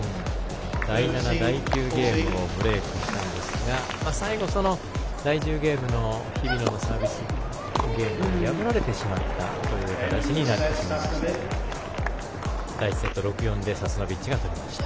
第７、第９ゲームをブレークしたんですが最後、第１０ゲームの日比野のサービスゲーム破られてしまったという形になってしまいました。